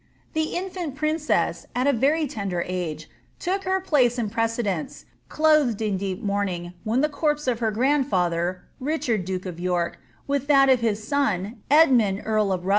The infant princess, at a very tender age, took her place and prece dence, clothed in deep^ mourning, when the corpse of her grandfather, Richard duke of York,* with that of his son, Edmund earl of Rutland, 'See the Life of Elizabeth Woodville.